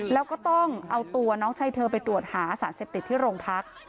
แล้วก็ต้องเอาตัวน้องชายเธอไปตรวจหาสารเสพติดที่โรงพัก